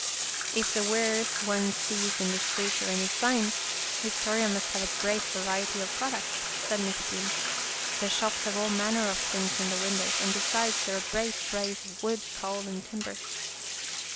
"If the wares one sees in the streets are any sign, Victoria must have a great variety of prod ucts," said Mrs. Hume. " The shops have all manner of things in the windows, and besides there are great drays of wood, coal and timber."